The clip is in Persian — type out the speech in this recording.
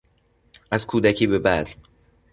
از کودکی به بعد